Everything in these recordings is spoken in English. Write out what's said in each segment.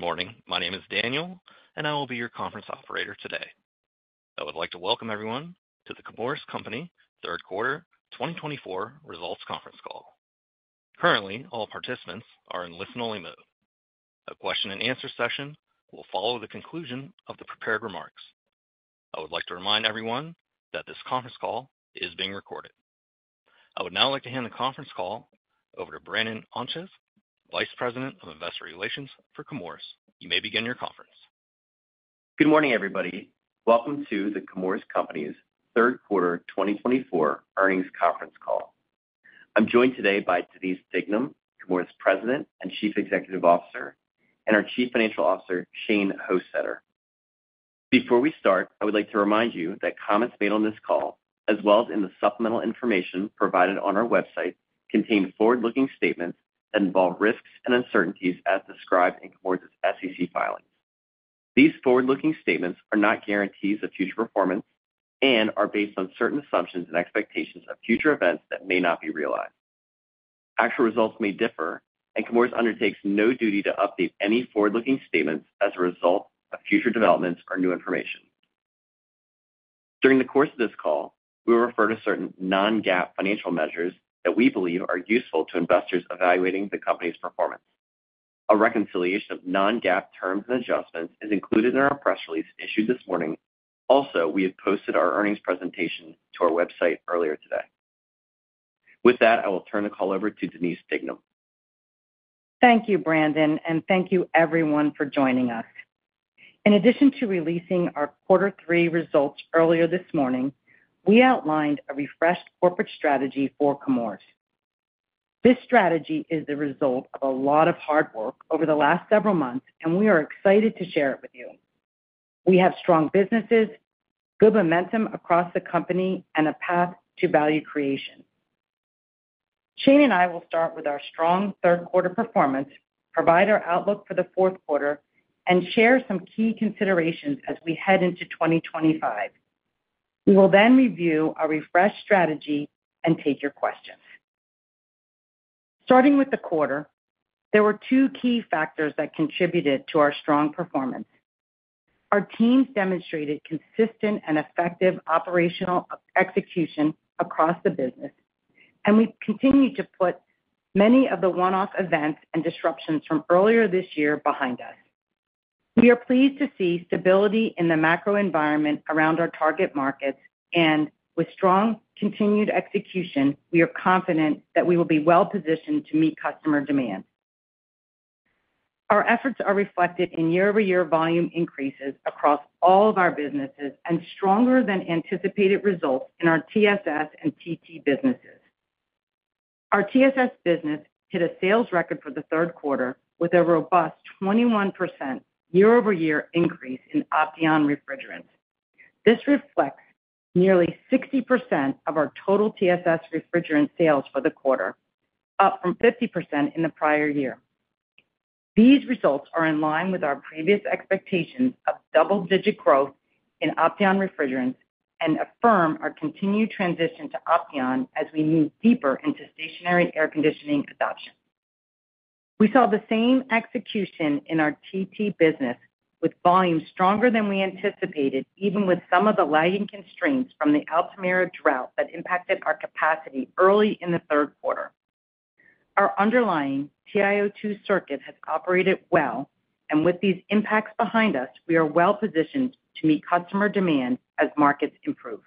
Good morning. My name is Daniel, and I will be your conference operator today. I would like to welcome everyone to the Chemours Company Third Quarter 2024 Results Conference Call. Currently, all participants are in listen-only mode. A question-and-answer session will follow the conclusion of the prepared remarks. I would like to remind everyone that this conference call is being recorded. I would now like to hand the conference call over to Brandon Ontjes, Vice President of Investor Relations for Chemours. You may begin your conference. Good morning, everybody. Welcome to the Chemours Company's Third Quarter 2024 Earnings Conference Call. I'm joined today by Denise Dignam, Chemours' President and Chief Executive Officer, and our Chief Financial Officer, Shane Hostetter. Before we start, I would like to remind you that comments made on this call, as well as in the supplemental information provided on our website, contain forward-looking statements that involve risks and uncertainties as described in Chemours' SEC filings. These forward-looking statements are not guarantees of future performance and are based on certain assumptions and expectations of future events that may not be realized. Actual results may differ, and Chemours undertakes no duty to update any forward-looking statements as a result of future developments or new information. During the course of this call, we will refer to certain non-GAAP financial measures that we believe are useful to investors evaluating the company's performance. A reconciliation of non-GAAP terms and adjustments is included in our press release issued this morning. Also, we have posted our earnings presentation to our website earlier today. With that, I will turn the call over to Denise Dignam. Thank you, Brandon, and thank you, everyone, for joining us. In addition to releasing our quarter three results earlier this morning, we outlined a refreshed corporate strategy for Chemours. This strategy is the result of a lot of hard work over the last several months, and we are excited to share it with you. We have strong businesses, good momentum across the company, and a path to value creation. Shane and I will start with our strong third-quarter performance, provide our outlook for the fourth quarter, and share some key considerations as we head into 2025. We will then review our refreshed strategy and take your questions. Starting with the quarter, there were two key factors that contributed to our strong performance. Our teams demonstrated consistent and effective operational execution across the business, and we continue to put many of the one-off events and disruptions from earlier this year behind us. We are pleased to see stability in the macro environment around our target markets, and with strong continued execution, we are confident that we will be well-positioned to meet customer demands. Our efforts are reflected in year-over-year volume increases across all of our businesses and stronger-than-anticipated results in our TSS and TT businesses. Our TSS business hit a sales record for the third quarter with a robust 21% year-over-year increase in Opteon refrigerants. This reflects nearly 60% of our total TSS refrigerant sales for the quarter, up from 50% in the prior year. These results are in line with our previous expectations of double-digit growth in Opteon refrigerants and affirm our continued transition to Opteon as we move deeper into stationary air conditioning adoption. We saw the same execution in our TT business with volume stronger than we anticipated, even with some of the lagging constraints from the Altamira drought that impacted our capacity early in the third quarter. Our underlying TiO2 circuit has operated well, and with these impacts behind us, we are well-positioned to meet customer demand as markets improve.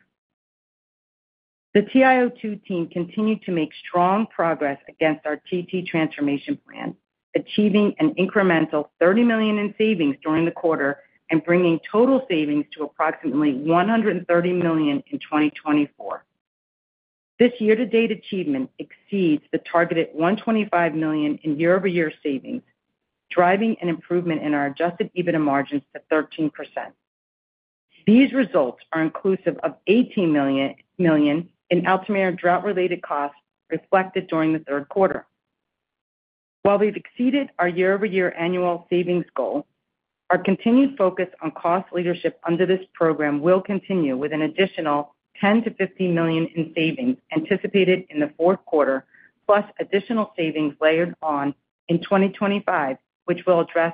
The TiO2 team continued to make strong progress against our TT Transformation Plan, achieving an incremental $30 million in savings during the quarter and bringing total savings to approximately $130 million in 2024. This year-to-date achievement exceeds the targeted $125 million in year-over-year savings, driving an improvement in our Adjusted EBITDA margins to 13%. These results are inclusive of $18 million in Altamira drought-related costs reflected during the third quarter. While we've exceeded our year-over-year annual savings goal, our continued focus on cost leadership under this program will continue with an additional $10 million-$15 million in savings anticipated in the fourth quarter, plus additional savings layered on in 2025, which we'll address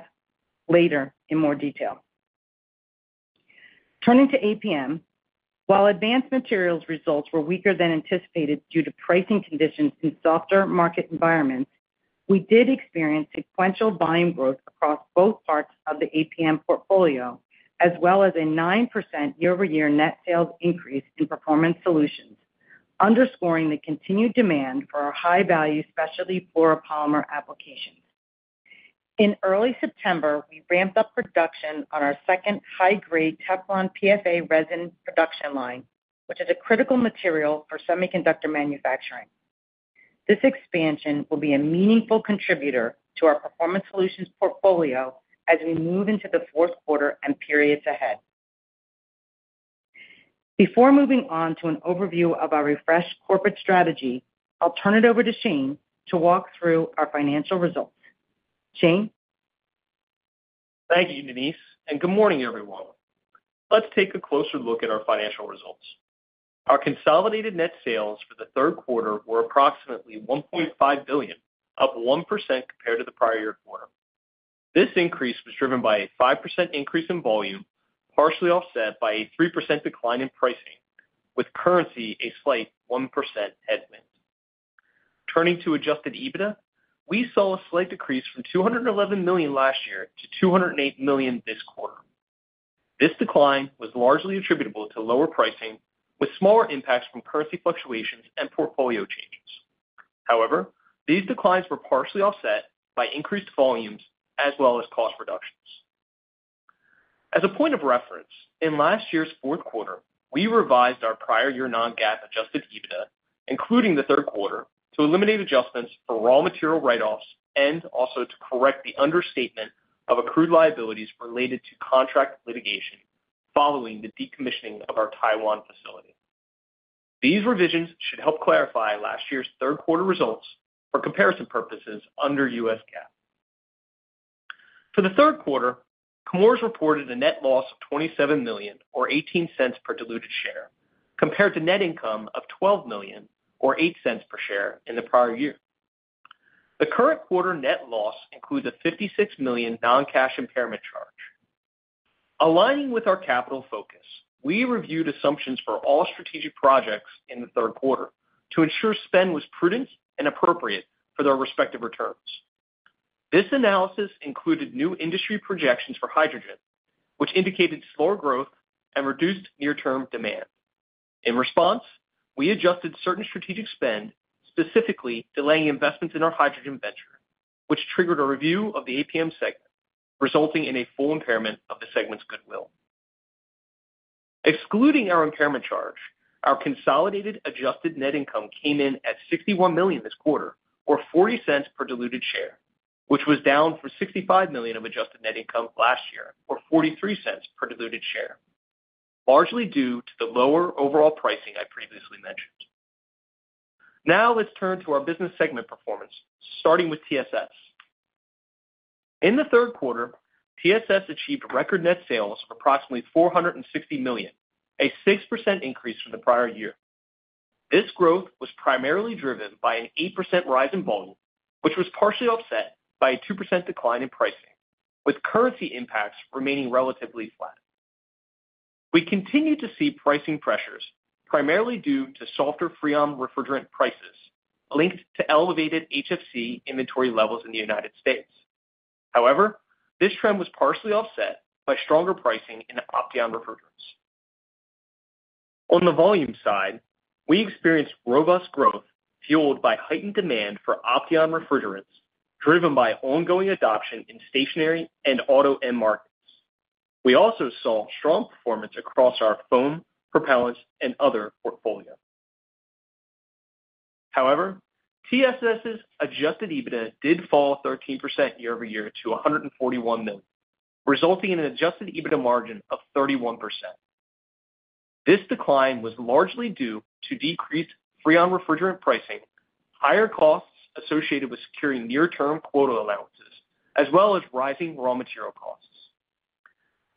later in more detail. Turning to APM, while Advanced Materials' results were weaker than anticipated due to pricing conditions in softer market environments, we did experience sequential volume growth across both parts of the APM portfolio, as well as a 9% year-over-year net sales increase in Performance Solutions, underscoring the continued demand for our high-value specialty fluoropolymer applications. In early September, we ramped up production on our second high-grade Teflon PFA resin production line, which is a critical material for semiconductor manufacturing. This expansion will be a meaningful contributor to our Performance Solutions portfolio as we move into the fourth quarter and periods ahead. Before moving on to an overview of our refreshed corporate strategy, I'll turn it over to Shane to walk through our financial results. Shane? Thank you, Denise, and good morning, everyone. Let's take a closer look at our financial results. Our consolidated net sales for the third quarter were approximately $1.5 billion, up 1% compared to the prior quarter. This increase was driven by a 5% increase in volume, partially offset by a 3% decline in pricing, with currency a slight 1% headwind. Turning Adjusted EBITDA, we saw a slight decrease from $211 million last year to $208 million this quarter. This decline was largely attributable to lower pricing, with smaller impacts from currency fluctuations and portfolio changes. However, these declines were partially offset by increased volumes as well as cost reductions. As a point of reference, in last year's fourth quarter, we revised our prior year Adjusted EBITDA, including the third quarter, to eliminate adjustments for raw material write-offs and also to correct the understatement of accrued liabilities related to contract litigation following the decommissioning of our Taiwan facility. These revisions should help clarify last year's third-quarter results for comparison purposes under U.S. GAAP. For the third quarter, Chemours reported a net loss of $27 million, or $0.18 per diluted share, compared to net income of $12 million, or $0.08 per share in the prior year. The current quarter net loss includes a $56 million non-cash impairment charge. Aligning with our capital focus, we reviewed assumptions for all strategic projects in the third quarter to ensure spend was prudent and appropriate for their respective returns. This analysis included new industry projections for hydrogen, which indicated slower growth and reduced near-term demand. In response, we adjusted certain strategic spend, specifically delaying investments in our hydrogen venture, which triggered a review of the APM segment, resulting in a full impairment of the segment's goodwill. Excluding our impairment charge, our consolidated adjusted net income came in at $61 million this quarter, or $0.40 per diluted share, which was down from $65 million of adjusted net income last year, or $0.43 per diluted share, largely due to the lower overall pricing I previously mentioned. Now, let's turn to our business segment performance, starting with TSS. In the third quarter, TSS achieved record net sales of approximately $460 million, a 6% increase from the prior year. This growth was primarily driven by an 8% rise in volume, which was partially offset by a 2% decline in pricing, with currency impacts remaining relatively flat. We continued to see pricing pressures, primarily due to softer Freon refrigerant prices linked to elevated HFC inventory levels in the United States. However, this trend was partially offset by stronger pricing in Opteon refrigerants. On the volume side, we experienced robust growth fueled by heightened demand for Opteon refrigerants, driven by ongoing adoption in stationary and auto end markets. We also saw strong performance across our foam, propellants, and other portfolio. However, Adjusted EBITDA did fall 13% year-over-year to $141 million, resulting in Adjusted EBITDA margin of 31%. This decline was largely due to decreased Freon refrigerant pricing, higher costs associated with securing near-term quota allowances, as well as rising raw material costs.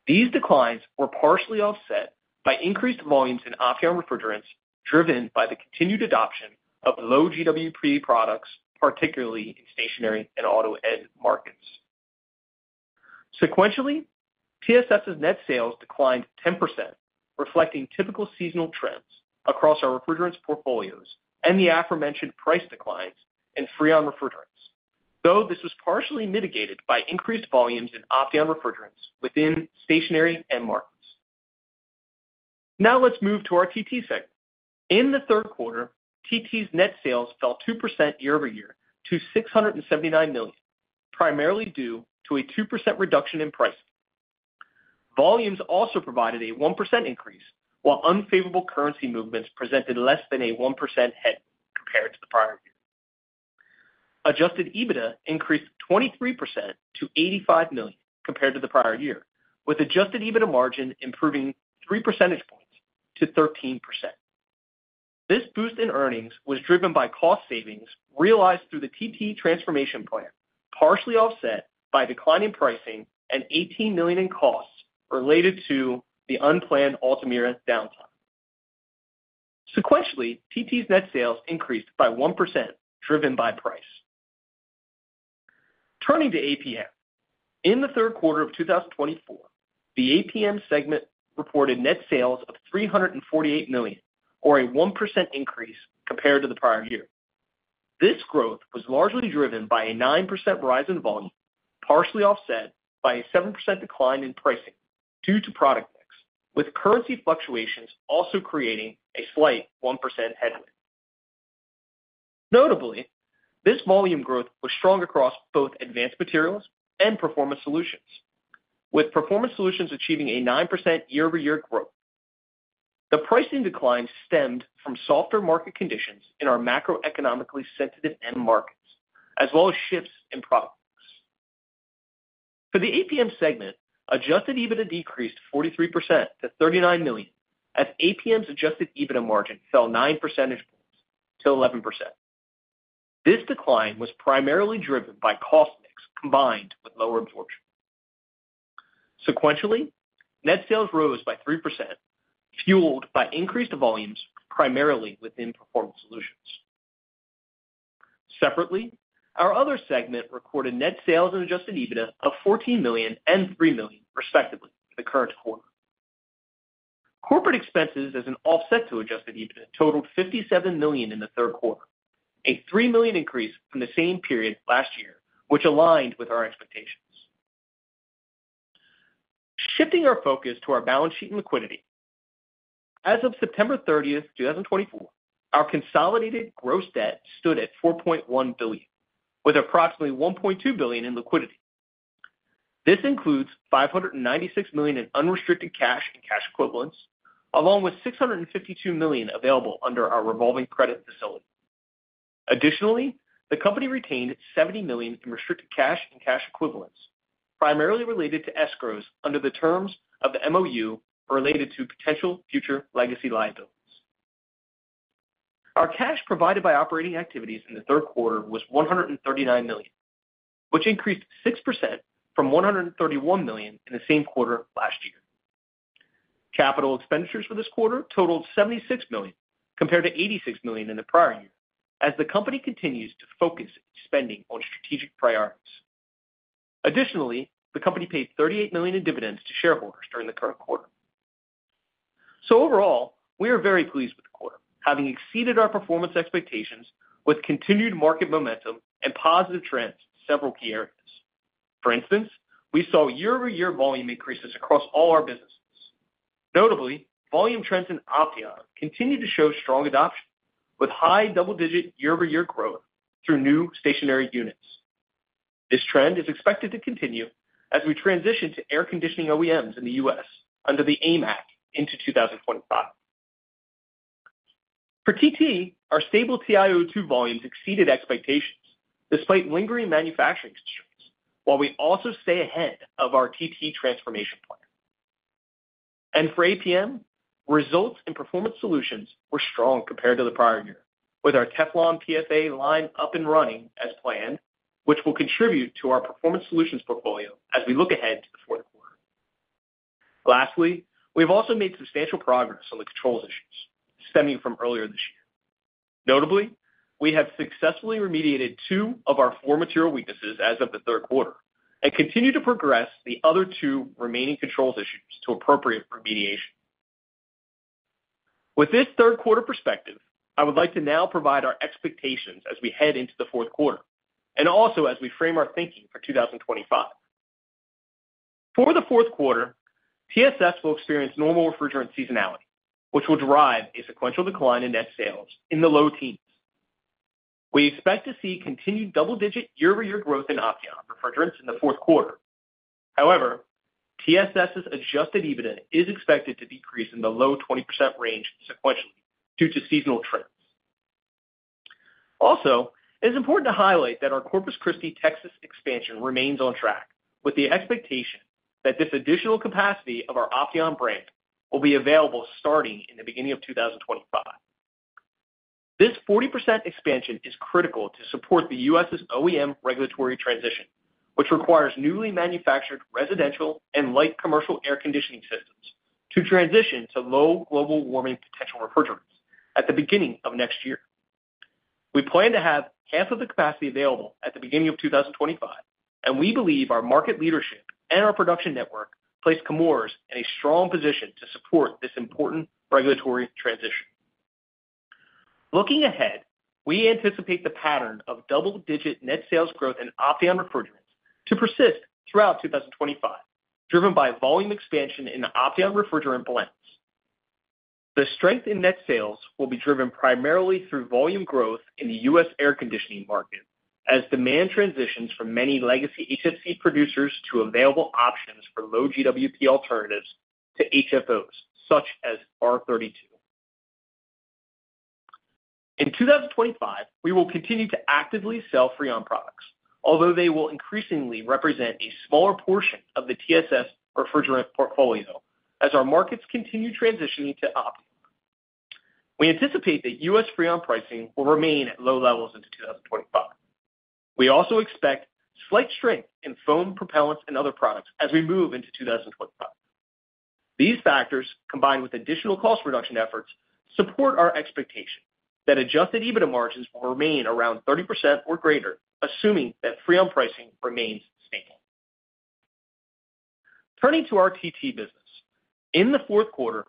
These declines were partially offset by increased volumes in Opteon refrigerants, driven by the continued adoption of low GWP products, particularly in stationary and auto end markets. Sequentially, TSS's net sales declined 10%, reflecting typical seasonal trends across our refrigerants portfolios and the aforementioned price declines in Freon refrigerants, though this was partially mitigated by increased volumes in Opteon refrigerants within stationary end markets. Now, let's move to our TT segment. In the third quarter, TT's net sales fell 2% year-over-year to $679 million, primarily due to a 2% reduction in pricing. Volumes also provided a 1% increase, while unfavorable currency movements presented less than a 1% headwind compared to the prior Adjusted EBITDA increased 23% to $85 million compared to the prior year, with Adjusted EBITDA margin improving 3 percentage points to 13%. This boost in earnings was driven by cost savings realized through the TT Transformation Plan, partially offset by declining pricing and $18 million in costs related to the unplanned Altamira downtime. Sequentially, TT's net sales increased by 1%, driven by price. Turning to APM, in the third quarter of 2024, the APM segment reported net sales of $348 million, or a 1% increase compared to the prior year. This growth was largely driven by a 9% rise in volume, partially offset by a 7% decline in pricing due to product mix, with currency fluctuations also creating a slight 1% headwind. Notably, this volume growth was strong across both Advanced Materials and Performance Solutions, with Performance Solutions achieving a 9% year-over-year growth. The pricing decline stemmed from softer market conditions in our macroeconomically sensitive end markets, as well as shifts in product mix. For the APM segment, Adjusted EBITDA decreased 43% to $39 million, as APM's Adjusted EBITDA margin fell 9 percentage points to 11%. This decline was primarily driven by cost mix combined with lower absorption. Sequentially, net sales rose by 3%, fueled by increased volumes primarily within Performance Solutions. Separately, our other segment recorded net sales and Adjusted EBITDA of $14 million and $3 million, respectively, for the current quarter. Corporate expenses as an offset to Adjusted EBITDA totaled $57 million in the third quarter, a $3 million increase from the same period last year, which aligned with our expectations. Shifting our focus to our balance sheet and liquidity. As of September 30th, 2024, our consolidated gross debt stood at $4.1 billion, with approximately $1.2 billion in liquidity. This includes $596 million in unrestricted cash and cash equivalents, along with $652 million available under our revolving credit facility. Additionally, the company retained $70 million in restricted cash and cash equivalents, primarily related to escrows under the terms of the MoU related to potential future legacy liabilities. Our cash provided by operating activities in the third quarter was $139 million, which increased 6% from $131 million in the same quarter last year. Capital expenditures for this quarter totaled $76 million, compared to $86 million in the prior year, as the company continues to focus spending on strategic priorities. Additionally, the company paid $38 million in dividends to shareholders during the current quarter. So overall, we are very pleased with the quarter, having exceeded our performance expectations with continued market momentum and positive trends in several key areas. For instance, we saw year-over-year volume increases across all our businesses. Notably, volume trends in Opteon continued to show strong adoption, with high double-digit year-over-year growth through new stationary units. This trend is expected to continue as we transition to air conditioning OEMs in the U.S. under the AIM Act into 2025. For TT, our stable TiO2 volumes exceeded expectations despite lingering manufacturing constraints, while we also stay ahead of our TT transformation plan. And for APM, results in Performance Solutions were strong compared to the prior year, with our Teflon PFA line up and running as planned, which will contribute to our Performance Solutions portfolio as we look ahead to the fourth quarter. Lastly, we have also made substantial progress on the controls issues stemming from earlier this year. Notably, we have successfully remediated two of our four material weaknesses as of the third quarter and continue to progress the other two remaining controls issues to appropriate remediation. With this third-quarter perspective, I would like to now provide our expectations as we head into the fourth quarter and also as we frame our thinking for 2025. For the fourth quarter, TSS will experience normal refrigerant seasonality, which will drive a sequential decline in net sales in the low teens. We expect to see continued double-digit year-over-year growth in Opteon refrigerants in the fourth quarter. However, Adjusted EBITDA is expected to decrease in the low 20% range sequentially due to seasonal trends. Also, it is important to highlight that our Corpus Christi, Texas, expansion remains on track, with the expectation that this additional capacity of our Opteon brand will be available starting in the beginning of 2025. This 40% expansion is critical to support the U.S.'s OEM regulatory transition, which requires newly manufactured residential and light commercial air conditioning systems to transition to low global warming potential refrigerants at the beginning of next year. We plan to have half of the capacity available at the beginning of 2025, and we believe our market leadership and our production network place Chemours in a strong position to support this important regulatory transition. Looking ahead, we anticipate the pattern of double-digit net sales growth in Opteon refrigerants to persist throughout 2025, driven by volume expansion in Opteon refrigerant blends. The strength in net sales will be driven primarily through volume growth in the U.S. air conditioning market, as demand transitions from many legacy HFC producers to available options for low GWP alternatives to HFOs such as R-32. In 2025, we will continue to actively sell Freon products, although they will increasingly represent a smaller portion of the TSS refrigerant portfolio as our markets continue transitioning to Opteon. We anticipate that U.S. Freon pricing will remain at low levels into 2025. We also expect slight strength in foam, propellants, and other products as we move into 2025. These factors, combined with additional cost reduction efforts, support our expectation that Adjusted EBITDA margins will remain around 30% or greater, assuming that Freon pricing remains stable. Turning to our TT business, in the fourth quarter,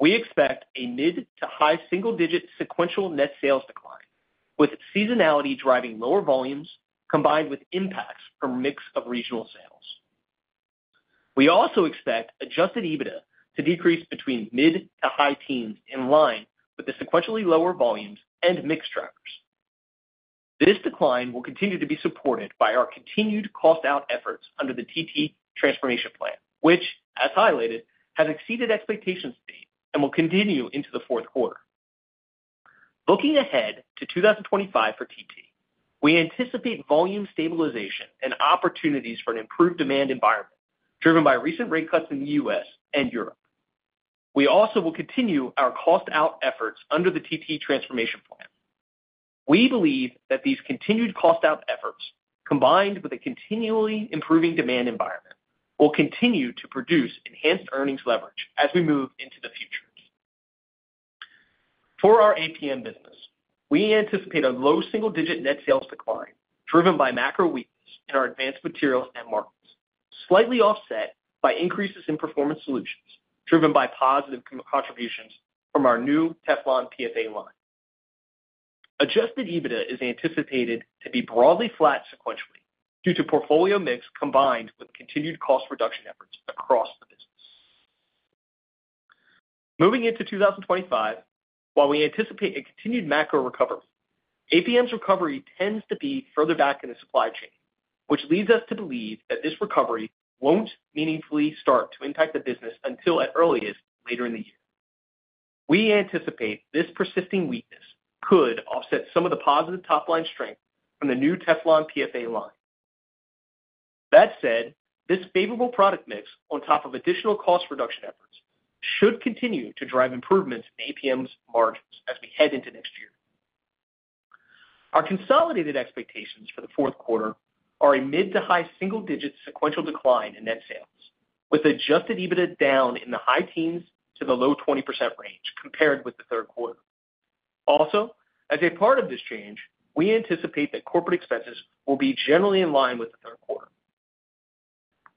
we expect a mid to high single-digit sequential net sales decline, with seasonality driving lower volumes combined with impacts from mix of regional sales. We also expect Adjusted EBITDA to decrease between mid to high teens in line with the sequentially lower volumes and mix drivers. This decline will continue to be supported by our continued cost-out efforts under the TT Transformation Plan, which, as highlighted, has exceeded expectations today and will continue into the fourth quarter. Looking ahead to 2025 for TT, we anticipate volume stabilization and opportunities for an improved demand environment, driven by recent rate cuts in the U.S. and Europe. We also will continue our cost-out efforts under the TT Transformation Plan. We believe that these continued cost-out efforts, combined with a continually improving demand environment, will continue to produce enhanced earnings leverage as we move into the future. For our APM business, we anticipate a low single-digit net sales decline driven by macro weakness in our advanced materials end markets, slightly offset by increases in Performance Solutions driven by positive contributions from our new Teflon PFA line. Adjusted EBITDA is anticipated to be broadly flat sequentially due to portfolio mix combined with continued cost reduction efforts across the business. Moving into 2025, while we anticipate a continued macro recovery, APM's recovery tends to be further back in the supply chain, which leads us to believe that this recovery won't meaningfully start to impact the business until at earliest later in the year. We anticipate this persisting weakness could offset some of the positive top-line strength from the new Teflon PFA line. That said, this favorable product mix on top of additional cost reduction efforts should continue to drive improvements in APM's margins as we head into next year. Our consolidated expectations for the fourth quarter are a mid to high single-digit sequential decline in net sales, with Adjusted EBITDA down in the high teens to the low 20% range compared with the third quarter. Also, as a part of this change, we anticipate that corporate expenses will be generally in line with the third quarter.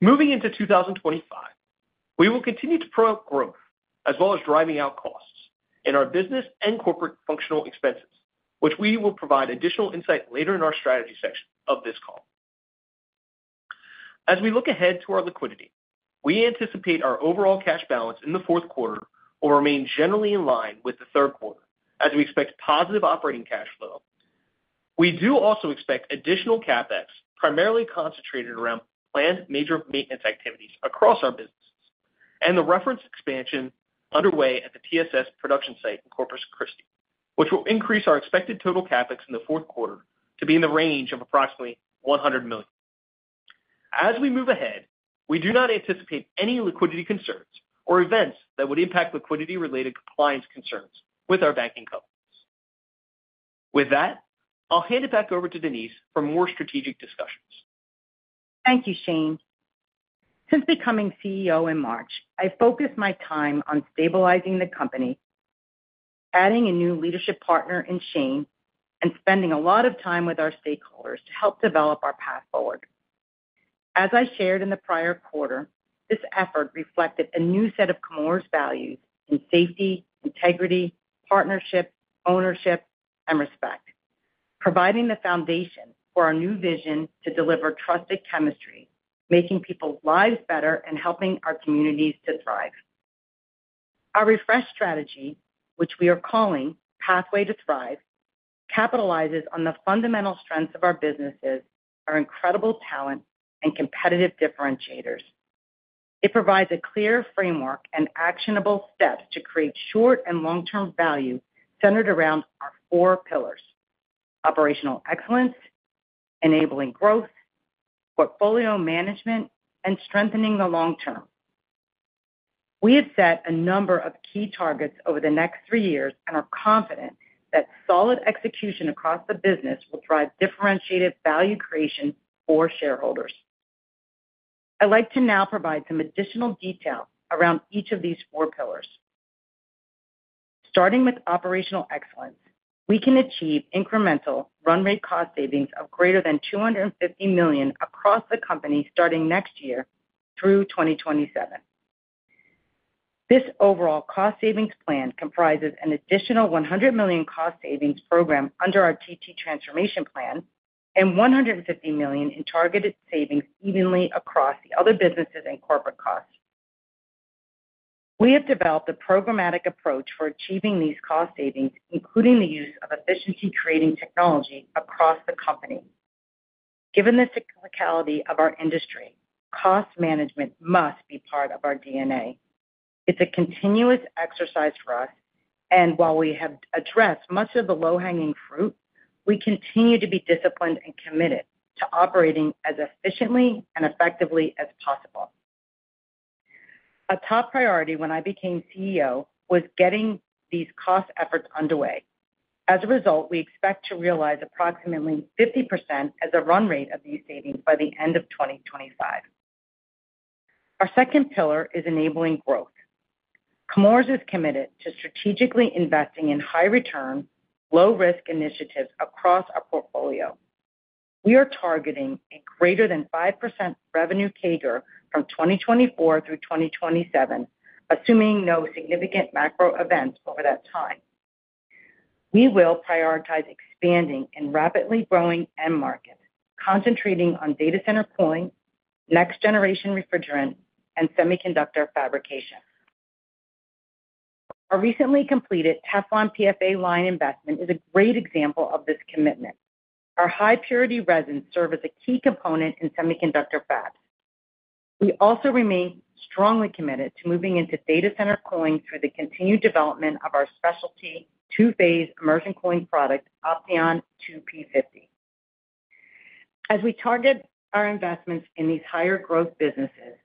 Moving into 2025, we will continue to promote growth as well as driving out costs in our business and corporate functional expenses, which we will provide additional insight later in our strategy section of this call. As we look ahead to our liquidity, we anticipate our overall cash balance in the fourth quarter will remain generally in line with the third quarter, as we expect positive operating cash flow. We do also expect additional CapEx primarily concentrated around planned major maintenance activities across our businesses and the refrigerant expansion underway at the TSS production site in Corpus Christi, which will increase our expected total CapEx in the fourth quarter to be in the range of approximately $100 million. As we move ahead, we do not anticipate any liquidity concerns or events that would impact liquidity-related compliance concerns with our banking companies. With that, I'll hand it back over to Denise for more strategic discussions. Thank you, Shane. Since becoming CEO in March, I've focused my time on stabilizing the company, adding a new leadership partner in Shane, and spending a lot of time with our stakeholders to help develop our path forward. As I shared in the prior quarter, this effort reflected a new set of Chemours values in safety, integrity, partnership, ownership, and respect, providing the foundation for our new vision to deliver trusted chemistry, making people's lives better and helping our communities to thrive. Our refresh strategy, which we are calling Pathway to Thrive, capitalizes on the fundamental strengths of our businesses, our incredible talent, and competitive differentiators. It provides a clear framework and actionable steps to create short and long-term value centered around our four pillars: operational excellence, enabling growth, portfolio management, and strengthening the long term. We have set a number of key targets over the next three years and are confident that solid execution across the business will drive differentiated value creation for shareholders. I'd like to now provide some additional detail around each of these four pillars. Starting with operational excellence, we can achieve incremental run-rate cost savings of greater than $250 million across the company starting next year through 2027. This overall cost savings plan comprises an additional $100 million cost savings program under our TT Transformation Plan and $150 million in targeted savings evenly across the other businesses and corporate costs. We have developed a programmatic approach for achieving these cost savings, including the use of efficiency-creating technology across the company. Given the cyclicality of our industry, cost management must be part of our DNA. It's a continuous exercise for us, and while we have addressed much of the low-hanging fruit, we continue to be disciplined and committed to operating as efficiently and effectively as possible. A top priority when I became CEO was getting these cost efforts underway. As a result, we expect to realize approximately 50% as a run-rate of these savings by the end of 2025. Our second pillar is enabling growth. Chemours is committed to strategically investing in high-return, low-risk initiatives across our portfolio. We are targeting a greater than 5% revenue CAGR from 2024 through 2027, assuming no significant macro events over that time. We will prioritize expanding in rapidly growing end markets, concentrating on data center cooling, next-generation refrigerant, and semiconductor fabrication. Our recently completed Teflon PFA line investment is a great example of this commitment. Our high-purity resins serve as a key component in semiconductor fabs. We also remain strongly committed to moving into data center cooling through the continued development of our specialty two-phase immersion cooling product, Opteon 2P50. As we target our investments in these higher-growth businesses,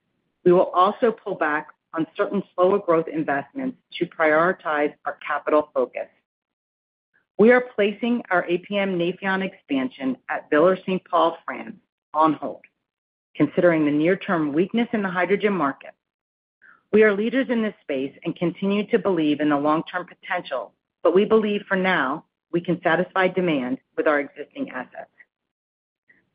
we will also pull back on certain slower-growth investments to prioritize our capital focus. We are placing our APM Nafion expansion at Villers-Saint-Paul, France on hold, considering the near-term weakness in the hydrogen market. We are leaders in this space and continue to believe in the long-term potential, but we believe for now we can satisfy demand with our existing assets.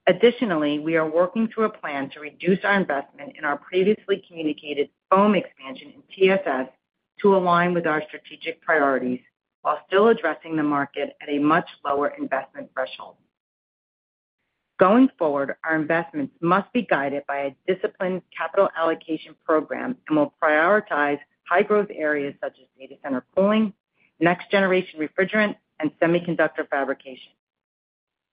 Additionally, we are working through a plan to reduce our investment in our previously communicated foam expansion in TSS to align with our strategic priorities while still addressing the market at a much lower investment threshold. Going forward, our investments must be guided by a disciplined capital allocation program and will prioritize high-growth areas such as data center cooling, next-generation refrigerant, and semiconductor fabrication.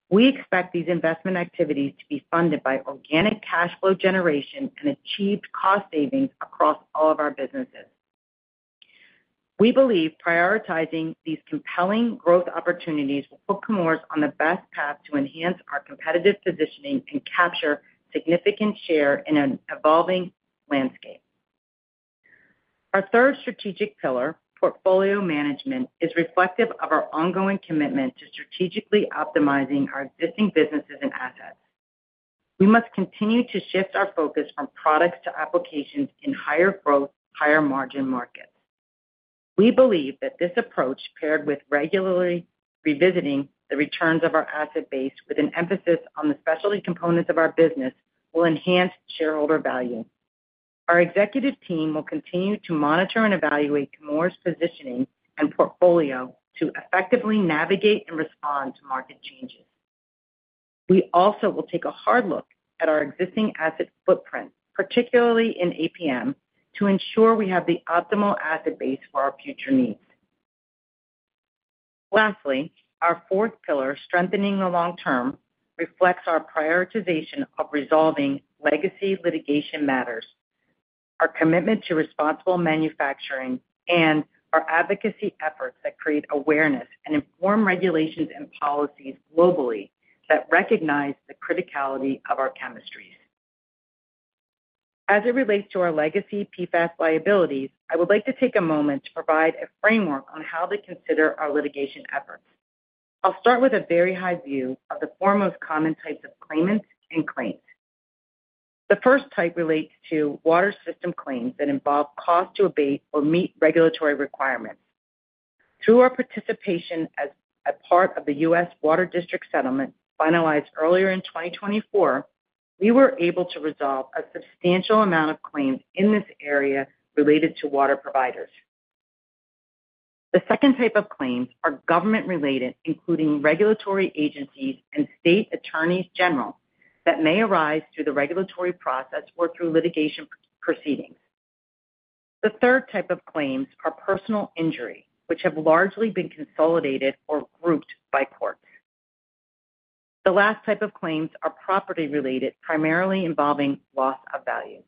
We expect these investment activities to be funded by organic cash flow generation and achieved cost savings across all of our businesses. We believe prioritizing these compelling growth opportunities will put Chemours on the best path to enhance our competitive positioning and capture significant share in an evolving landscape. Our third strategic pillar, portfolio management, is reflective of our ongoing commitment to strategically optimizing our existing businesses and assets. We must continue to shift our focus from products to applications in higher-growth, higher-margin markets. We believe that this approach, paired with regularly revisiting the returns of our asset base with an emphasis on the specialty components of our business, will enhance shareholder value. Our executive team will continue to monitor and evaluate Chemours' positioning and portfolio to effectively navigate and respond to market changes. We also will take a hard look at our existing asset footprint, particularly in APM, to ensure we have the optimal asset base for our future needs. Lastly, our fourth pillar, strengthening the long term, reflects our prioritization of resolving legacy litigation matters, our commitment to responsible manufacturing, and our advocacy efforts that create awareness and inform regulations and policies globally that recognize the criticality of our chemistries. As it relates to our legacy PFAS liabilities, I would like to take a moment to provide a framework on how to consider our litigation efforts. I'll start with a very high view of the four most common types of claimants and claims. The first type relates to water system claims that involve costs to abate or meet regulatory requirements. Through our participation as a part of the U.S. Water District settlement finalized earlier in 2024, we were able to resolve a substantial amount of claims in this area related to water providers. The second type of claims are government-related, including regulatory agencies and state attorneys general that may arise through the regulatory process or through litigation proceedings. The third type of claims are personal injury, which have largely been consolidated or grouped by courts. The last type of claims are property-related, primarily involving loss of value.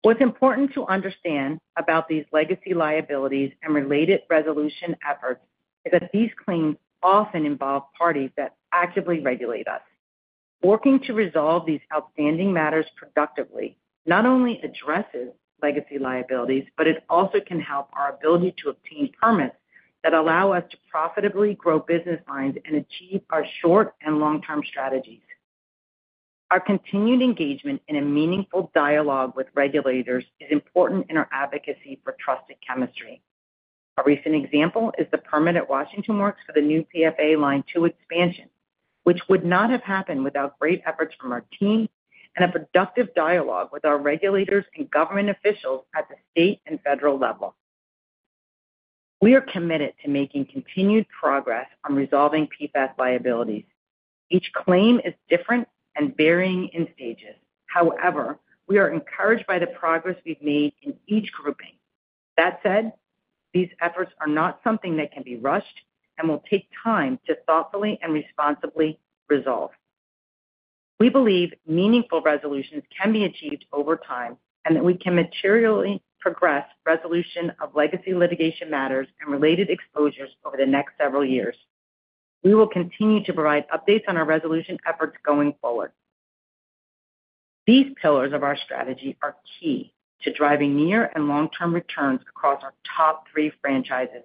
What's important to understand about these legacy liabilities and related resolution efforts is that these claims often involve parties that actively regulate us. Working to resolve these outstanding matters productively not only addresses legacy liabilities, but it also can help our ability to obtain permits that allow us to profitably grow business lines and achieve our short and long-term strategies. Our continued engagement in a meaningful dialogue with regulators is important in our advocacy for trusted chemistry. A recent example is the permanent Washington Works for the new PFA line two expansion, which would not have happened without great efforts from our team and a productive dialogue with our regulators and government officials at the state and federal level. We are committed to making continued progress on resolving PFAS liabilities. Each claim is different and varying in stages. However, we are encouraged by the progress we've made in each grouping. That said, these efforts are not something that can be rushed and will take time to thoughtfully and responsibly resolve. We believe meaningful resolutions can be achieved over time and that we can materially progress resolution of legacy litigation matters and related exposures over the next several years. We will continue to provide updates on our resolution efforts going forward. These pillars of our strategy are key to driving near and long-term returns across our top three franchises.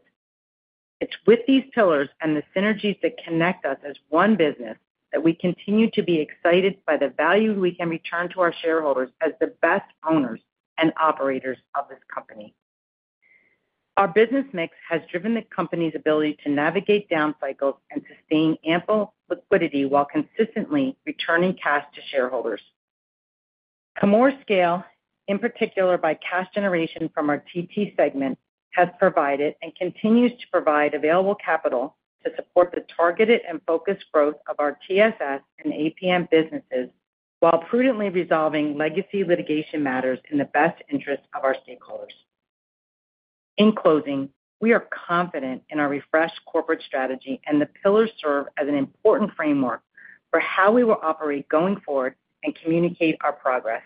It's with these pillars and the synergies that connect us as one business that we continue to be excited by the value we can return to our shareholders as the best owners and operators of this company. Our business mix has driven the company's ability to navigate down cycles and sustain ample liquidity while consistently returning cash to shareholders. Chemours' scale, in particular by cash generation from our TT segment, has provided and continues to provide available capital to support the targeted and focused growth of our TSS and APM businesses while prudently resolving legacy litigation matters in the best interest of our stakeholders. In closing, we are confident in our refreshed corporate strategy and the pillars serve as an important framework for how we will operate going forward and communicate our progress.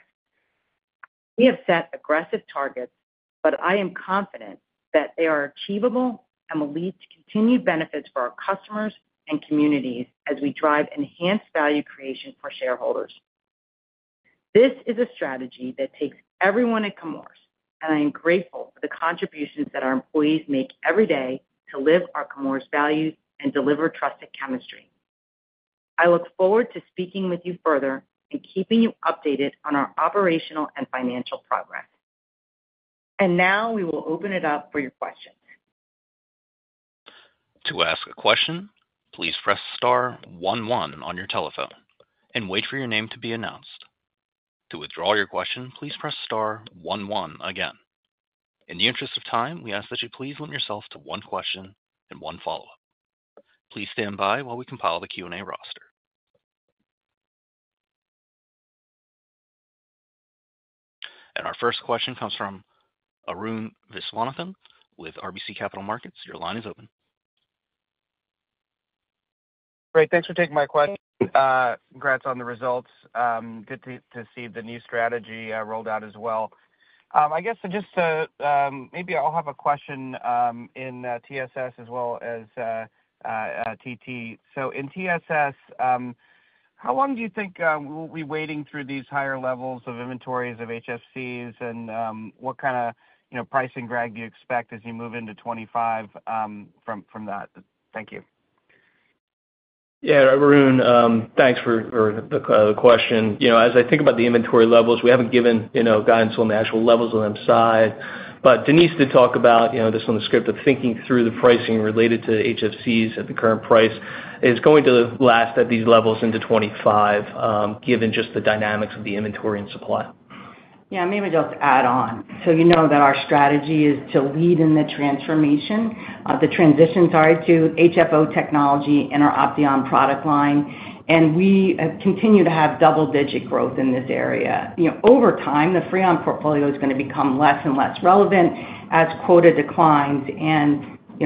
We have set aggressive targets, but I am confident that they are achievable and will lead to continued benefits for our customers and communities as we drive enhanced value creation for shareholders. This is a strategy that takes everyone at Chemours, and I am grateful for the contributions that our employees make every day to live our Chemours values and deliver trusted chemistry. I look forward to speaking with you further and keeping you updated on our operational and financial progress. And now we will open it up for your questions. To ask a question, please press star one one on your telephone and wait for your name to be announced. To withdraw your question, please press star one one again. In the interest of time, we ask that you please limit yourself to one question and one follow-up. Please stand by while we compile the Q&A roster. And our first question comes from Arun Viswanathan with RBC Capital Markets. Your line is open. Great. Thanks for taking my question. Congrats on the results. Good to see the new strategy rolled out as well. I guess just to maybe I'll have a question in TSS as well as TT. So in TSS, how long do you think we'll be waiting through these higher levels of inventories of HFCs and what kind of pricing drag do you expect as you move into 2025 from that? Thank you. Yeah, Arun, thanks for the question. As I think about the inventory levels, we haven't given guidance on the actual levels on the side. But Denise did talk about this on the script of thinking through the pricing related to HFCs at the current price. Is it going to last at these levels into 2025, given just the dynamics of the inventory and supply? Yeah, maybe just add on. So you know that our strategy is to lead in the transformation, the transition, sorry, to HFO technology in our Opteon product line. And we continue to have double-digit growth in this area. Over time, the Freon portfolio is going to become less and less relevant as quota declines. And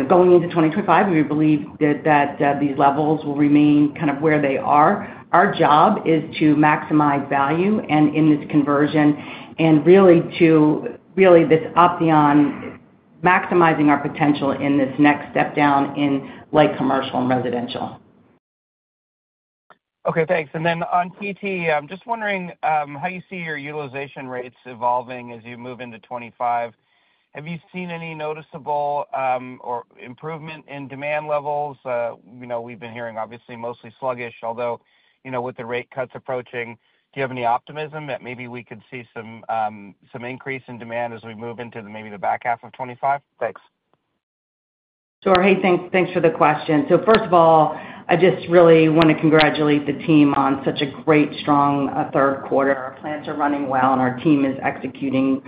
going into 2025, we believe that these levels will remain kind of where they are. Our job is to maximize value and in this conversion and really this Opteon maximizing our potential in this next step down in light commercial and residential. Okay, thanks. And then on TT, I'm just wondering how you see your utilization rates evolving as you move into 2025. Have you seen any noticeable improvement in demand levels? We've been hearing, obviously, mostly sluggish, although with the rate cuts approaching, do you have any optimism that maybe we could see some increase in demand as we move into maybe the back half of 2025? Thanks. Sure. Hey, thanks for the question. So first of all, I just really want to congratulate the team on such a great, strong third quarter. Our plants are running well, and our team is executing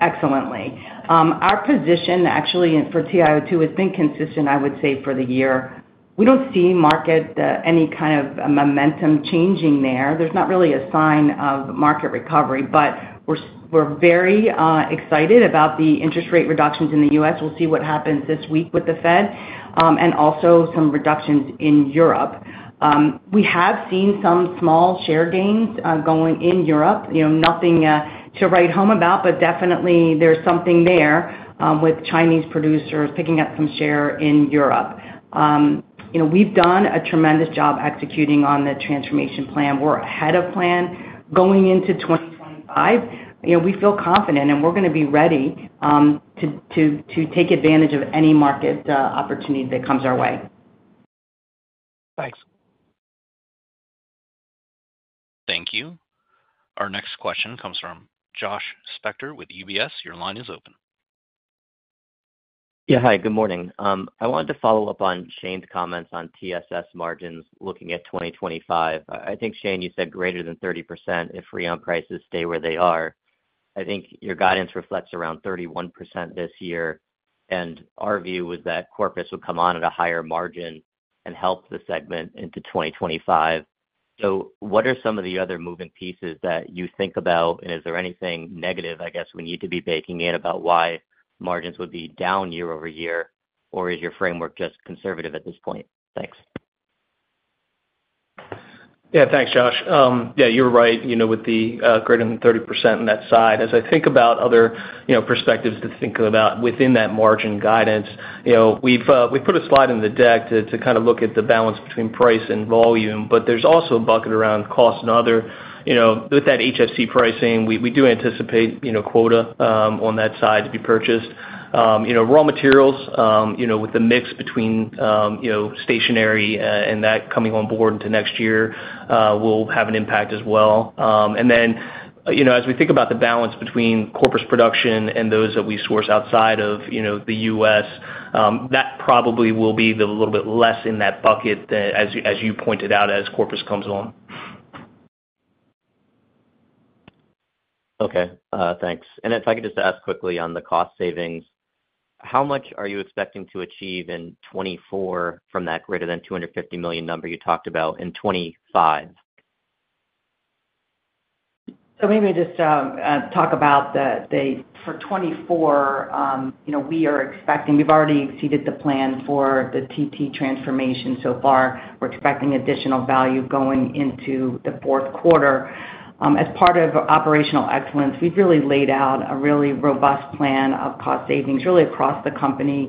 excellently. Our position actually for TiO2 has been consistent, I would say, for the year. We don't see market any kind of momentum changing there. There's not really a sign of market recovery, but we're very excited about the interest rate reductions in the U.S. We'll see what happens this week with the Fed and also some reductions in Europe. We have seen some small share gains going in Europe. Nothing to write home about, but definitely there's something there with Chinese producers picking up some share in Europe. We've done a tremendous job executing on the transformation plan. We're ahead of plan going into 2025. We feel confident, and we're going to be ready to take advantage of any market opportunity that comes our way. Thanks. Thank you. Our next question comes from Josh Spector with UBS. Your line is open. Yeah, hi. Good morning. I wanted to follow up on Shane's comments on TSS margins looking at 2025. I think, Shane, you said greater than 30% if Freon prices stay where they are. I think your guidance reflects around 31% this year. And our view was that Corpus would come on at a higher margin and help the segment into 2025. So what are some of the other moving pieces that you think about? And is there anything negative, I guess, we need to be baking in about why margins would be down year-over-year, or is your framework just conservative at this point? Thanks. Yeah, thanks, Josh. Yeah, you're right with the greater than 30% on that side. As I think about other perspectives to think about within that margin guidance, we've put a slide in the deck to kind of look at the balance between price and volume, but there's also a bucket around cost and other with that HFC pricing. We do anticipate quota on that side to be purchased. Raw materials with the mix between stationery and that coming on board into next year will have an impact as well. And then as we think about the balance between Corpus production and those that we source outside of the U.S., that probably will be a little bit less in that bucket as you pointed out as Corpus comes on. Okay. Thanks. And if I could just ask quickly on the cost savings, how much are you expecting to achieve in 2024 from that greater than $250 million number you talked about in 2025? So maybe just talk about that for 2024. We are expecting we've already exceeded the plan for the TT Transformation Plan so far. We're expecting additional value going into the fourth quarter. As part of operational excellence, we've really laid out a really robust plan of cost savings really across the company,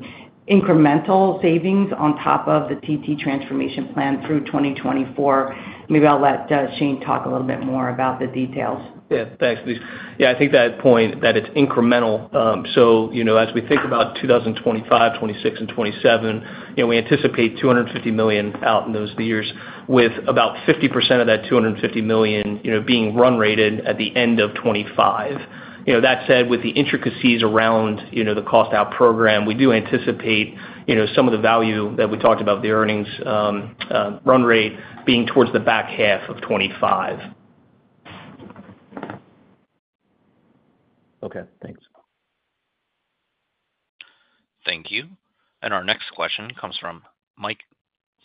incremental savings on top of the TT Transformation Plan through 2024. Maybe I'll let Shane talk a little bit more about the details. Yeah, thanks, Denise. Yeah, I think that point that it's incremental. So as we think about 2025, 2026, and 2027, we anticipate $250 million out in those years with about 50% of that $250 million being run rated at the end of 2025. That said, with the intricacies around the cost-out program, we do anticipate some of the value that we talked about, the earnings run rate being towards the back half of 2025. Okay. Thanks. Thank you. And our next question comes from Mike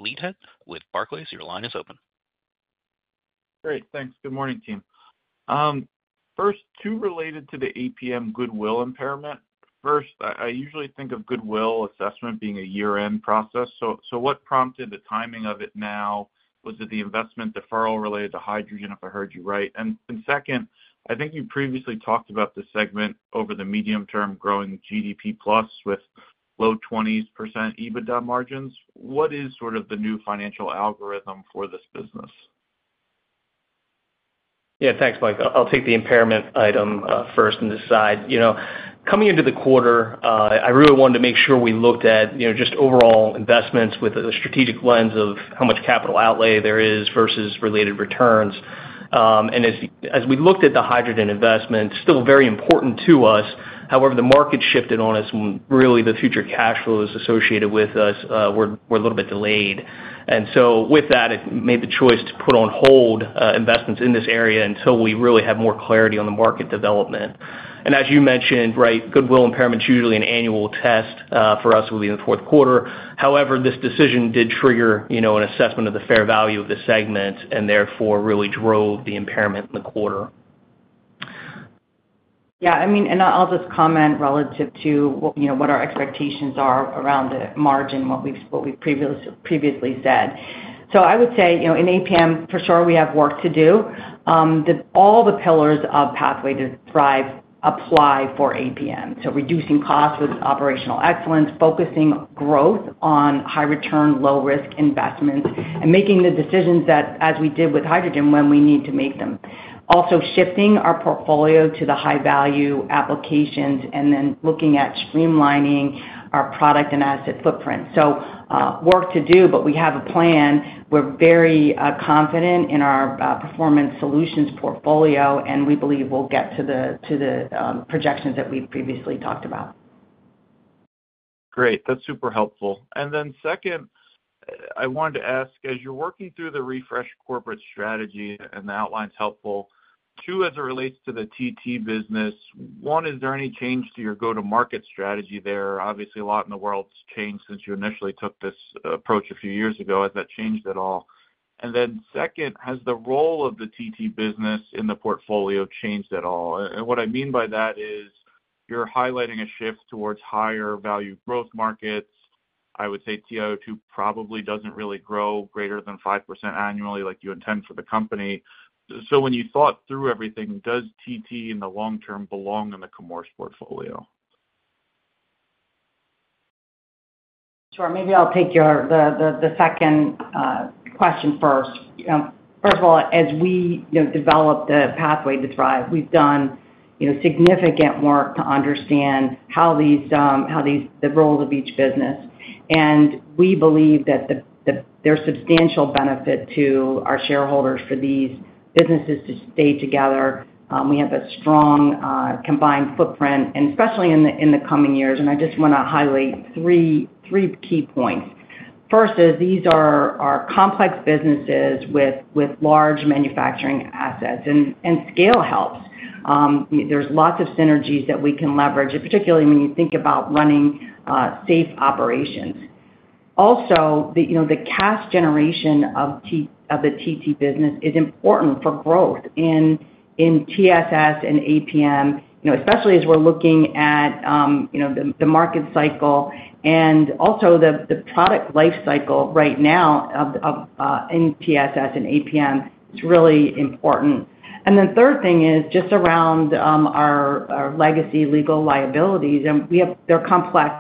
Leithead with Barclays. Your line is open. Great. Thanks. Good morning, team. First, two related to the APM Goodwill Impairment. First, I usually think of Goodwill assessment being a year-end process. So what prompted the timing of it now? Was it the investment deferral related to hydrogen, if I heard you right? And second, I think you previously talked about the segment over the medium-term growing GDP plus with low 20% EBITDA margins. What is sort of the new financial algorithm for this business? Yeah, thanks, Mike. I'll take the impairment item first and decide. Coming into the quarter, I really wanted to make sure we looked at just overall investments with a strategic lens of how much capital outlay there is versus related returns. And as we looked at the hydrogen investment, still very important to us. However, the market shifted on us and really the future cash flows associated with us were a little bit delayed. And so with that, it made the choice to put on hold investments in this area until we really have more clarity on the market development. And as you mentioned, right, goodwill impairment's usually an annual test for us will be in the fourth quarter. However, this decision did trigger an assessment of the fair value of the segment and therefore really drove the impairment in the quarter. Yeah. I mean, and I'll just comment relative to what our expectations are around the margin, what we've previously said. So I would say in APM, for sure, we have work to do. All the pillars of Pathway to Thrive apply for APM. So reducing costs with operational excellence, focusing growth on high-return, low-risk investments, and making the decisions that, as we did with hydrogen, when we need to make them. Also shifting our portfolio to the high-value applications and then looking at streamlining our product and asset footprint. So work to do, but we have a plan. We're very confident in our performance solutions portfolio, and we believe we'll get to the projections that we've previously talked about. Great. That's super helpful. And then second, I wanted to ask, as you're working through the refreshed corporate strategy, and the outline's helpful, too as it relates to the TT business. One, is there any change to your go-to-market strategy there? Obviously, a lot in the world's changed since you initially took this approach a few years ago. Has that changed at all? And then second, has the role of the TT business in the portfolio changed at all? And what I mean by that is you're highlighting a shift towards higher value growth markets. I would say TiO2 probably doesn't really grow greater than 5% annually like you intend for the company. So when you thought through everything, does TT in the long term belong in the Chemours portfolio? Sure. Maybe I'll take the second question first. First of all, as we develop the Pathway to Thrive, we've done significant work to understand how the roles of each business. And we believe that there's substantial benefit to our shareholders for these businesses to stay together. We have a strong combined footprint, and especially in the coming years, and I just want to highlight three key points. First is these are complex businesses with large manufacturing assets, and scale helps. There's lots of synergies that we can leverage, particularly when you think about running safe operations. Also, the cash generation of the TT business is important for growth in TSS and APM, especially as we're looking at the market cycle and also the product life cycle right now in TSS and APM. It's really important, and the third thing is just around our legacy legal liabilities. They're complex.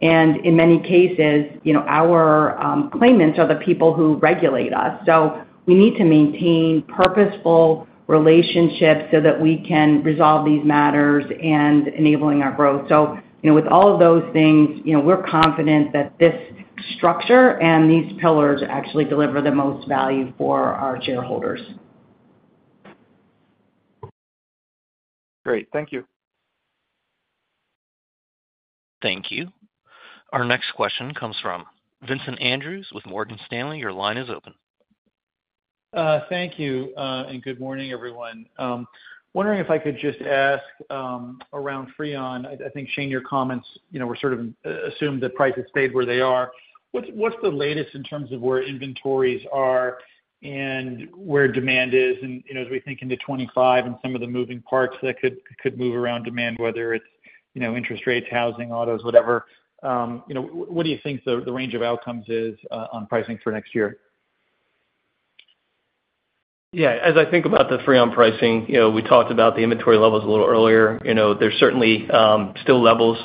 And in many cases, our claimants are the people who regulate us, so we need to maintain purposeful relationships so that we can resolve these matters and enabling our growth. So with all of those things, we're confident that this structure and these pillars actually deliver the most value for our shareholders. Great. Thank you. Thank you. Our next question comes from Vincent Andrews with Morgan Stanley. Your line is open. Thank you. And good morning, everyone. Wondering if I could just ask around Freon. I think, Shane, your comments were sort of assumed that prices stayed where they are. What's the latest in terms of where inventories are and where demand is? And as we think into 2025 and some of the moving parts that could move around demand, whether it's interest rates, housing, autos, whatever, what do you think the range of outcomes is on pricing for next year? Yeah. As I think about the Freon pricing, we talked about the inventory levels a little earlier. There's certainly still levels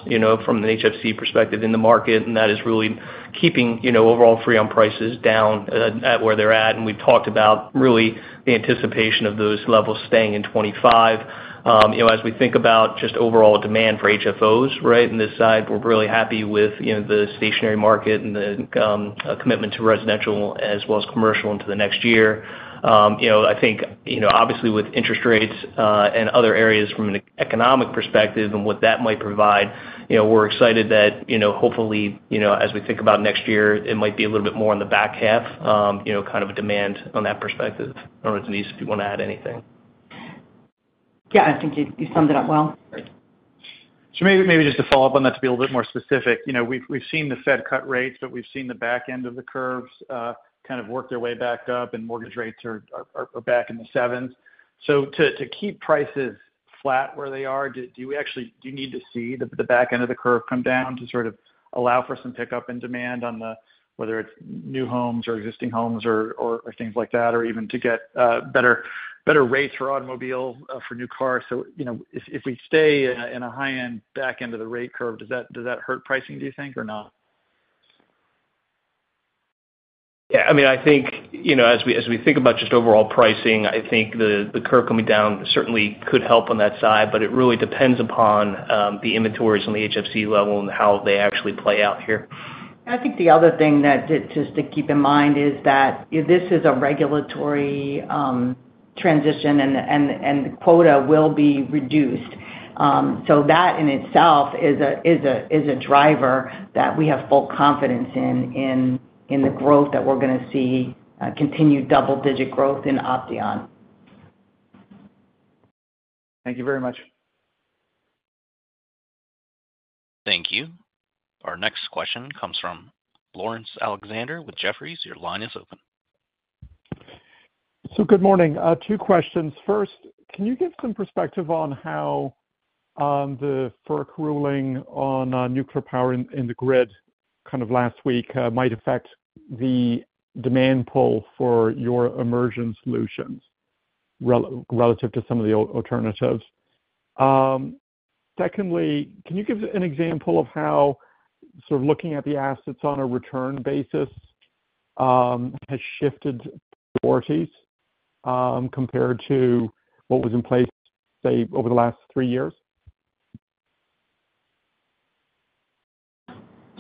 from the HFC perspective in the market, and that is really keeping overall Freon prices down at where they're at, and we've talked about really the anticipation of those levels staying in 2025. As we think about just overall demand for HFOs, right, on this side, we're really happy with the stationary market and the commitment to residential as well as commercial into the next year. I think, obviously, with interest rates and other areas from an economic perspective and what that might provide, we're excited that hopefully, as we think about next year, it might be a little bit more in the back half, kind of a demand on that perspective. I don't know if Denise, if you want to add anything. Yeah, I think you summed it up well. So maybe just to follow up on that to be a little bit more specific, we've seen the Fed cut rates, but we've seen the back end of the curves kind of work their way back up, and mortgage rates are back in the sevens. So to keep prices flat where they are, do you need to see the back end of the curve come down to sort of allow for some pickup in demand on whether it's new homes or existing homes or things like that, or even to get better rates for automobiles, for new cars? So if we stay in a high-end back end of the rate curve, does that hurt pricing, do you think, or not? Yeah. I mean, I think as we think about just overall pricing, I think the curve coming down certainly could help on that side, but it really depends upon the inventories on the HFC level and how they actually play out here. I think the other thing that just to keep in mind is that this is a regulatory transition, and the quota will be reduced. So that in itself is a driver that we have full confidence in the growth that we're going to see continue double-digit growth in Opteon. Thank you very much. Thank you. Our next question comes from Laurence Alexander with Jefferies. Your line is open. So good morning. Two questions. First, can you give some perspective on how the FERC ruling on nuclear power in the grid kind of last week might affect the demand pull for your immersion solutions relative to some of the alternatives? Secondly, can you give an example of how sort of looking at the assets on a return basis has shifted priorities compared to what was in place, say, over the last three years?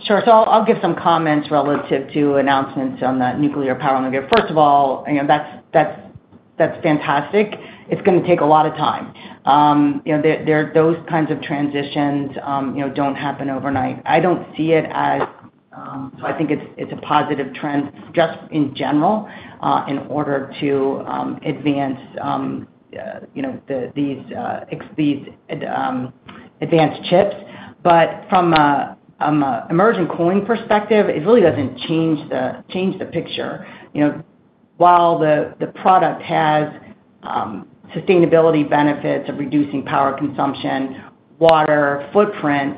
Sure, so I'll give some comments relative to announcements on that nuclear power on the grid. First of all, that's fantastic. It's going to take a lot of time. Those kinds of transitions don't happen overnight. I don't see it as so. I think it's a positive trend just in general in order to advance these advanced chips, but from an immersion cooling perspective, it really doesn't change the picture. While the product has sustainability benefits of reducing power consumption, water footprint,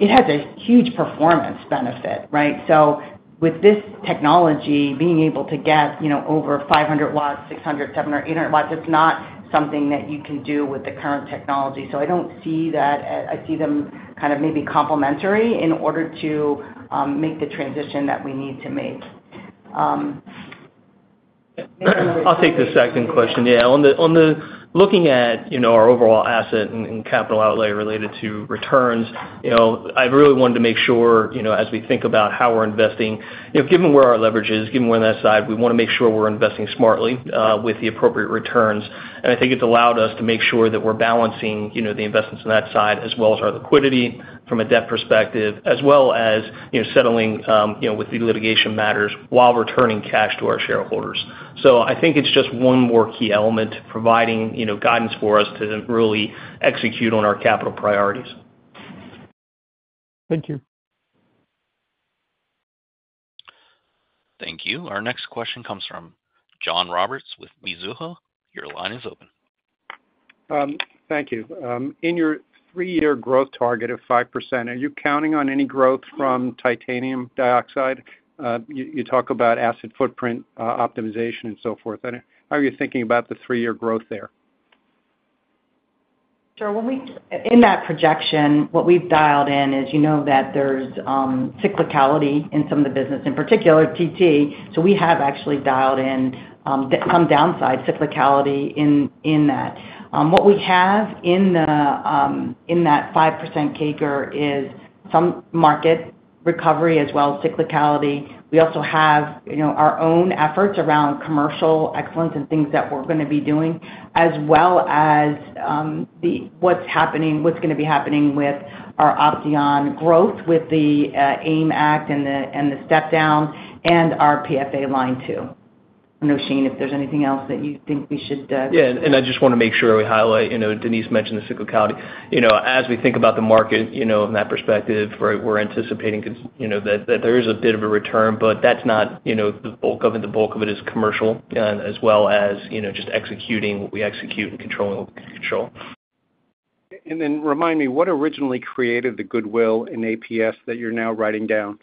it has a huge performance benefit, right, so with this technology, being able to get over 500 W, 600 W, 700 W, 800 W, it's not something that you can do with the current technology. So I don't see that. I see them kind of maybe complementary in order to make the transition that we need to make. I'll take the second question. Yeah. Looking at our overall asset and capital outlay related to returns, I really wanted to make sure as we think about how we're investing, given where our leverage is, given where that side, we want to make sure we're investing smartly with the appropriate returns. And I think it's allowed us to make sure that we're balancing the investments on that side as well as our liquidity from a debt perspective, as well as settling with the litigation matters while returning cash to our shareholders. So I think it's just one more key element providing guidance for us to really execute on our capital priorities. Thank you. Thank you. Our next question comes from John Roberts with Mizuho. Your line is open. Thank you. In your three-year growth target of 5%, are you counting on any growth from titanium dioxide? You talk about asset footprint optimization and so forth. How are you thinking about the three-year growth there? Sure. In that projection, what we've dialed in is you know that there's cyclicality in some of the business, in particular TT. So we have actually dialed in some downside cyclicality in that. What we have in that 5% CAGR is some market recovery as well as cyclicality. We also have our own efforts around commercial excellence and things that we're going to be doing, as well as what's going to be happening with our Opteon growth with the AIM Act and the step-down and our PFA line two. I know, Shane, if there's anything else that you think we should. Yeah. And I just want to make sure we highlight Denise mentioned the cyclicality. As we think about the market in that perspective, we're anticipating that there is a bit of a return, but that's not the bulk of it. The bulk of it is commercial as well as just executing what we execute and controlling what we control. And then remind me, what originally created the goodwill in APM that you're now writing down?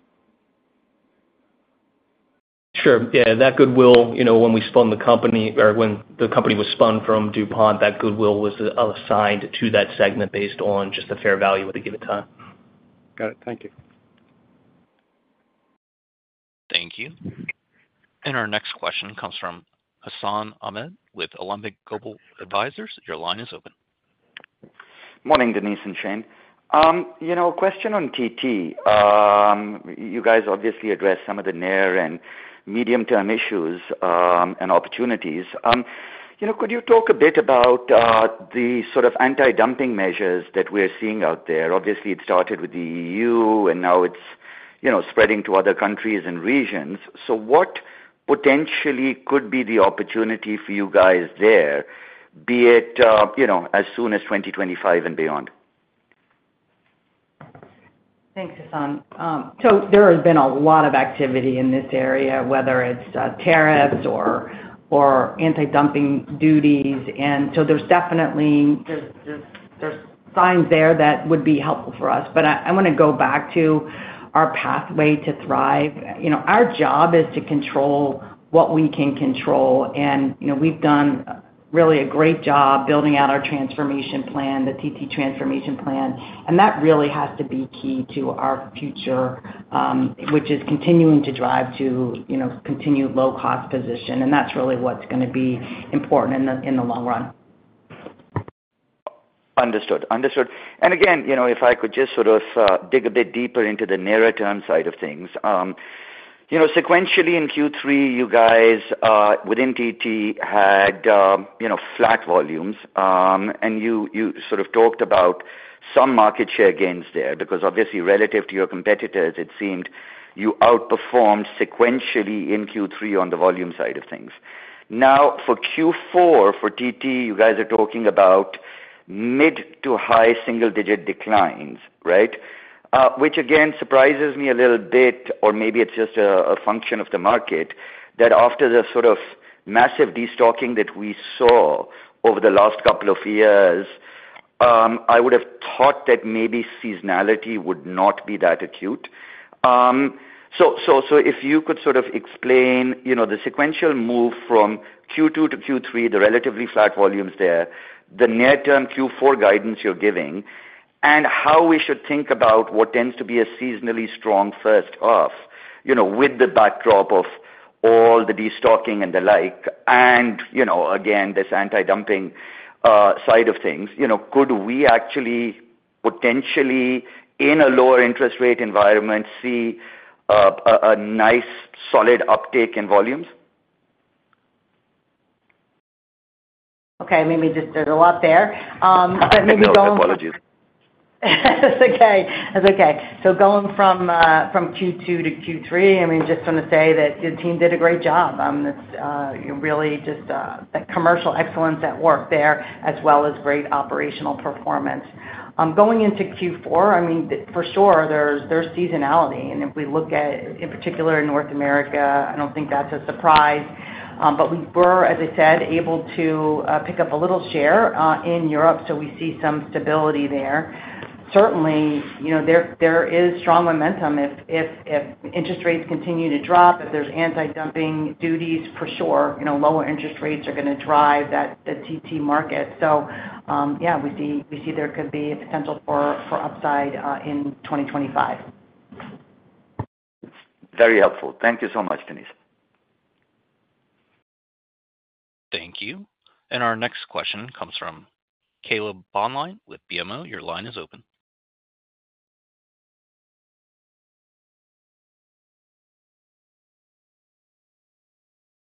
Sure. Yeah. That goodwill, when we spun the company or when the company was spun from DuPont, that goodwill was assigned to that segment based on just the fair value at a given time. Got it. Thank you. Thank you. And our next question comes from Hassan Ahmed with Alembic Global Advisors. Your line is open. Morning, Denise and Shane. A question on TT. You guys obviously address some of the near and medium-term issues and opportunities. Could you talk a bit about the sort of anti-dumping measures that we're seeing out there? Obviously, it started with the EU, and now it's spreading to other countries and regions. So what potentially could be the opportunity for you guys there, be it as soon as 2025 and beyond? Thanks, Hassan. So there has been a lot of activity in this area, whether it's tariffs or anti-dumping duties. And so there's definitely signs there that would be helpful for us. But I want to go back to our Pathway to Thrive. Our job is to control what we can control. And we've done really a great job building out our transformation plan, the TT Transformation Plan. And that really has to be key to our future, which is continuing to drive to continued low-cost position. And that's really what's going to be important in the long run. Understood. Understood. And again, if I could just sort of dig a bit deeper into the nearer-term side of things, sequentially in Q3, you guys within TT had flat volumes. And you sort of talked about some market share gains there because, obviously, relative to your competitors, it seemed you outperformed sequentially in Q3 on the volume side of things. Now, for Q4 for TT, you guys are talking about mid- to high-single-digit declines, right? Which, again, surprises me a little bit, or maybe it's just a function of the market, that after the sort of massive destocking that we saw over the last couple of years, I would have thought that maybe seasonality would not be that acute. So if you could sort of explain the sequential move from Q2 to Q3, the relatively flat volumes there, the near-term Q4 guidance you're giving, and how we should think about what tends to be a seasonally strong first quarter with the backdrop of all the destocking and the like, and again, this anti-dumping side of things, could we actually potentially, in a lower interest rate environment, see a nice solid uptake in volumes? Okay. Maybe just there's a lot there. I apologize. That's okay. That's okay. Going from Q2 to Q3, I mean, just want to say that the team did a great job. It's really just that commercial excellence at work there as well as great operational performance. Going into Q4, I mean, for sure, there's seasonality. And if we look at, in particular, North America, I don't think that's a surprise. But we were, as I said, able to pick up a little share in Europe. So we see some stability there. Certainly, there is strong momentum if interest rates continue to drop, if there's anti-dumping duties. For sure, lower interest rates are going to drive the TT market. So yeah, we see there could be potential for upside in 2025. Very helpful. Thank you so much, Denise. Thank you. And our next question comes from Caleb Boehnlein with BMO. Your line is open.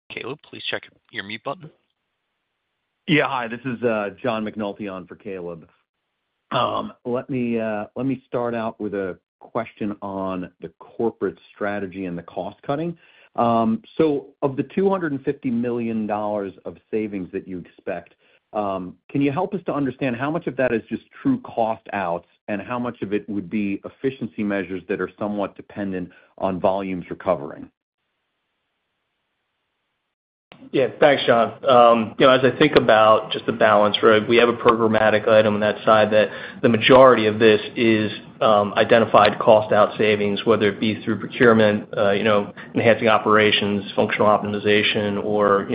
Caleb, please check your mute button. Yeah. Hi. This is John McNulty on for Caleb. Let me start out with a question on the corporate strategy and the cost cutting. So of the $250 million of savings that you expect, can you help us to understand how much of that is just true cost out and how much of it would be efficiency measures that are somewhat dependent on volumes recovering? Yeah. Thanks, John. As I think about just the balance, we have a programmatic item on that side that the majority of this is identified cost-out savings, whether it be through procurement, enhancing operations, functional optimization, or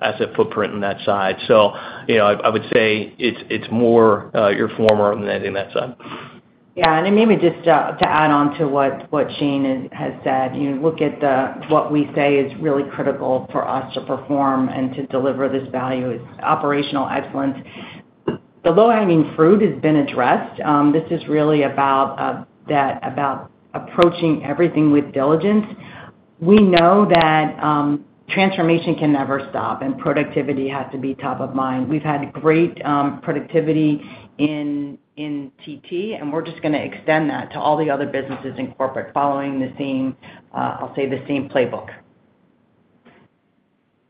asset footprint on that side. So I would say it's more your former than anything on that side. Yeah. And maybe just to add on to what Shane has said, look at what we say is really critical for us to perform and to deliver this value is operational excellence. The low-hanging fruit has been addressed. This is really about approaching everything with diligence. We know that transformation can never stop, and productivity has to be top of mind. We've had great productivity in TT, and we're just going to extend that to all the other businesses in corporate following the same, I'll say, the same playbook.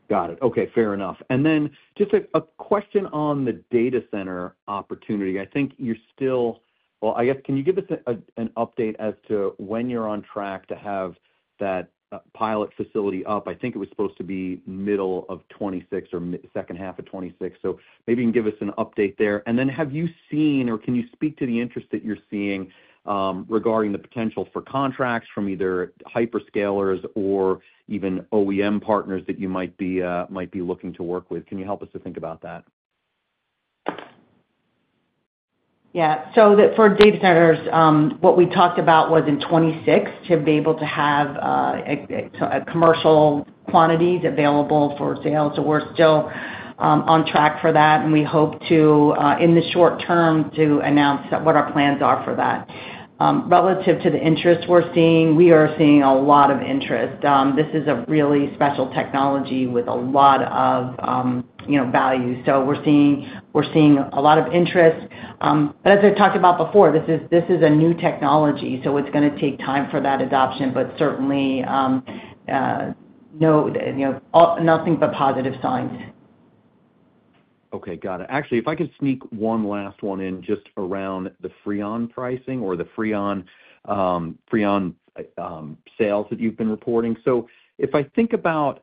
Got it. Okay. Fair enough. And then just a question on the data center opportunity. I think you're still, well, I guess, can you give us an update as to when you're on track to have that pilot facility up? I think it was supposed to be middle of 2026 or second half of 2026. So maybe you can give us an update there. And then have you seen, or can you speak to the interest that you're seeing regarding the potential for contracts from either hyperscalers or even OEM partners that you might be looking to work with? Can you help us to think about that? Yeah. So for data centers, what we talked about was in 2026 to be able to have commercial quantities available for sale. So we're still on track for that. And we hope to, in the short term, announce what our plans are for that. Relative to the interest we're seeing, we are seeing a lot of interest. This is a really special technology with a lot of value. So we're seeing a lot of interest. But as I talked about before, this is a new technology. So it's going to take time for that adoption. But certainly, nothing but positive signs. Okay. Got it. Actually, if I could sneak one last one in just around the Freon pricing or the Freon sales that you've been reporting. If I think about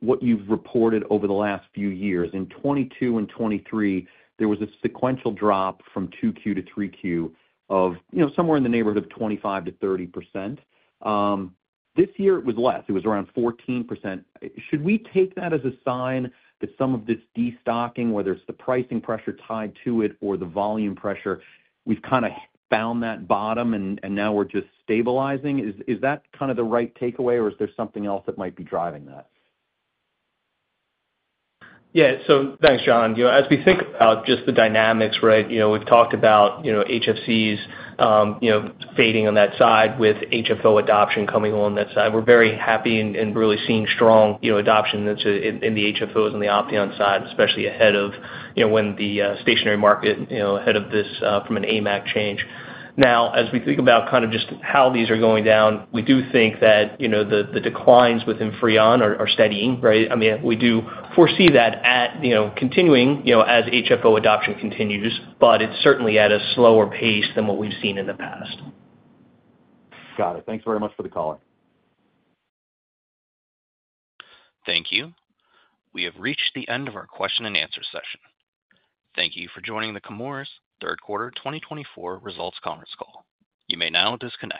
what you've reported over the last few years, in 2022 and 2023, there was a sequential drop from 2Q to 3Q of somewhere in the neighborhood of 25%-30%. This year, it was less. It was around 14%. Should we take that as a sign that some of this destocking, whether it's the pricing pressure tied to it or the volume pressure, we've kind of found that bottom and now we're just stabilizing? Is that kind of the right takeaway, or is there something else that might be driving that? Yeah. So thanks, John. As we think about just the dynamics, right, we've talked about HFCs fading on that side with HFO adoption coming along that side. We're very happy and really seeing strong adoption in the HFOs and the Opteon side, especially ahead of when the stationary market, ahead of this from an AIM Act change. Now, as we think about kind of just how these are going down, we do think that the declines within Freon are steadying, right? I mean, we do foresee that continuing as HFO adoption continues, but it's certainly at a slower pace than what we've seen in the past. Got it. Thanks very much for the color. Thank you. We have reached the end of our question-and-answer session. Thank you for joining the Chemours Third Quarter 2024 Results Conference Call. You may now disconnect.